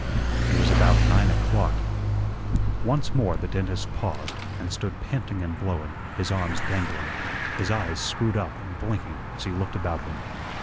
It was about nine o'clock. Once more the dentist paused, and stood panting and blowing, his arms dangling, his eyes screwed up and blinking as he looked about him.